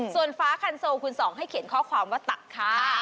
ส่วนฟ้าคันโซคุณสองให้เขียนข้อความว่าตักค่ะ